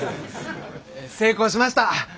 成功しました！